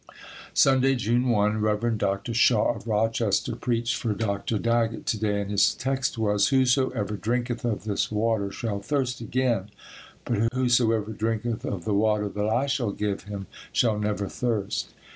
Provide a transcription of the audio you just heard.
Sunday, June 1. Rev. Dr. Shaw, of Rochester, preached for Dr. Daggett to day and his text was: "Whosoever drinketh of this water shall thirst again, but whosoever drinketh of the water that I shall give him shall never thirst."